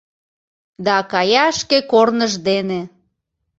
Да кая шке корныж дене.